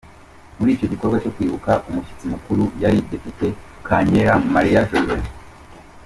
Muri icyo gikorwa cyo Kwibuka, umushyitsi mukuru yari Depite Kankera Marie Josée.